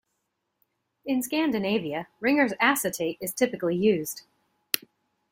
In Scandinavia Ringer's acetate is typically used.